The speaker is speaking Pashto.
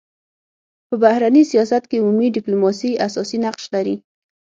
په بهرني سیاست کي عمومي ډيپلوماسي اساسي نقش لري.